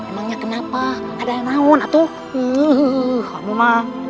emangnya kenapa ada nama unat tuh wuh sama fuck